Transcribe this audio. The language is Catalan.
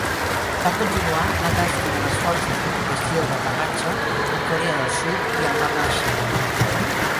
Va continuar la tasca de les forces d'ocupació d'aterratge a Corea del Sud i el nord de la Xina.